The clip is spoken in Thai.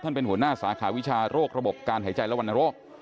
เป็นหัวหน้าสาขาวิชาโรคระบบการหายใจและวรรณโรค